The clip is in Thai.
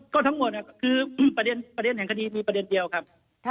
ก็ทั้งหมดคือประเด็นแห่งคดีมีประเด็นเดียวครับ